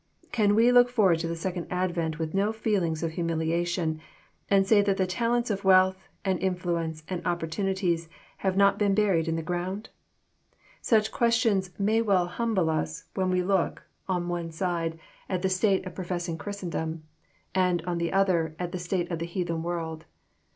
Can we look forward to the Second Advent with no feelings of humiliation, and Bay that the talents of wealth, and infiuence, and oppor tunities have not been buried in the ground?" — Such questions may well humble us, when we look, on one side, 858 EXPOSITORY THOUGHTS. at the state of professing Christendom, and, on the other, at the state of the heathen world.